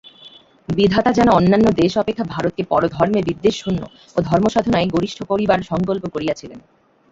বিধাতা যেন অন্যান্য দেশ অপেক্ষা ভারতকে পরধর্মে বিদ্বেষশূন্য ও ধর্মসাধনায় গরিষ্ঠ করিবার সঙ্কল্প করিয়াছিলেন।